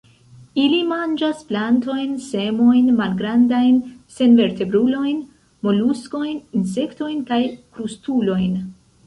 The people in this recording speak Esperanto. Ili manĝas plantojn, semojn, malgrandajn senvertebrulojn, moluskojn, insektojn kaj krustulojn.